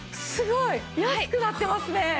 すごい！安くなってますね。